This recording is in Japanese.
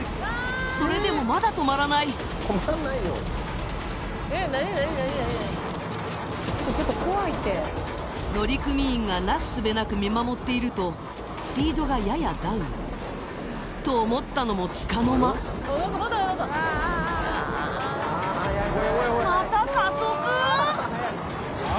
それでもまだ止まらない乗組員がなすすべなく見守っているとスピードがややダウンと思ったのもつかの間また加速